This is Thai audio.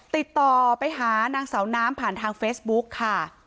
ติดต่อไปหานางสาวน้ำผ่านทางเฟซบุ๊กค่ะ